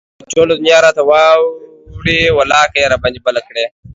چې ټوله دنيا راته واوړي ولاکه يي راباندى بله کړي